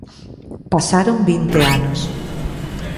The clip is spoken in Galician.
Pasaron vinte anos.